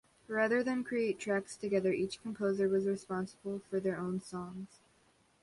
Rather than create tracks together, each composer was responsible for their own songs.